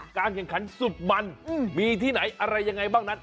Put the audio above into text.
การแข่งขันสุดมันมีที่ไหนอะไรยังไงบ้างนั้น